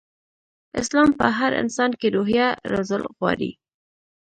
اسلام په هر انسان کې روحيه روزل غواړي.